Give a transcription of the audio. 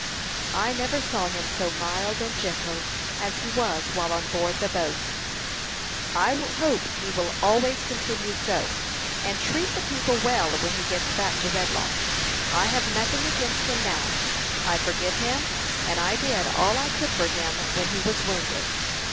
"I never saw him so mild and gentle as he was while on board the boat." "I hope he will always continue so, and treat the people well when he gets back to Redlawn. I have nothing against him now. I forgive him, and I did all I could for him when he was wounded."